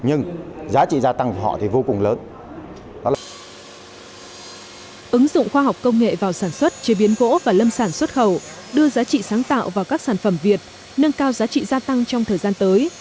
ứng dụng khoa học công nghệ vào sản xuất chế biến gỗ và lâm sản xuất khẩu đưa giá trị sáng tạo vào các sản phẩm việt nâng cao giá trị gia tăng trong thời gian tới